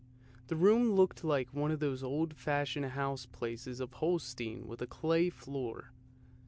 The room looked like one of the old fashioned house places of Holstein with a clay floor.